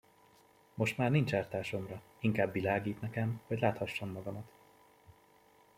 Most már nincs ártásomra, inkább világít nekem, hogy láthassam magamat.